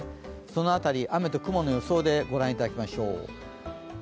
その辺り、雨と雲の予想で御覧いただきましょう。